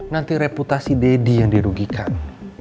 nanti reputasi deddy yang dirugikan